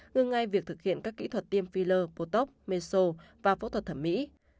ngưng ngay việc thực hiện các kỹ thuật tiêm filler potok meso và phẫu thuật thẩm mỹ